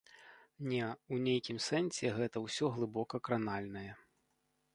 Не, у нейкім сэнсе ўсё гэта глыбока кранальнае.